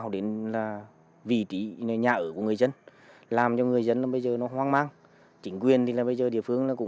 được sàn thuận